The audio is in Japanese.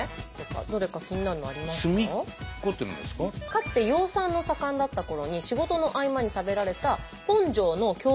かつて養蚕の盛んだったころに仕事の合間に食べられた本庄の郷土料理いわゆるすいとん。